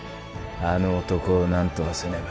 あの男をなんとかせねば。